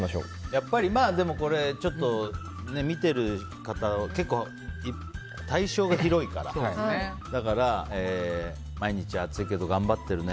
やっぱり見てる方結構、対象が広いからだから、毎日暑いけど頑張ってるね。